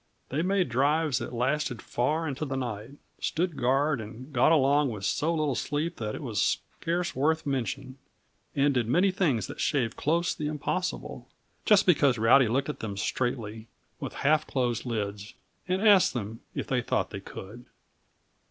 They made drives that lasted far into the night, stood guard, and got along with so little sleep that it was scarce worth mention, and did many things that shaved close the impossible just because Rowdy looked at them straightly, with half closed lids, and asked them if they thought they could.